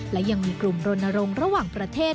และยังมีกลุ่มรณรงค์ระหว่างประเทศ